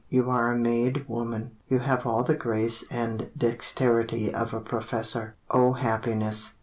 You are a made woman, You have all the grace and dexterity Of A PROFESSOR. O happiness!